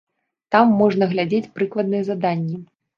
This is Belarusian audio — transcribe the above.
Там можна глядзець прыкладныя заданні.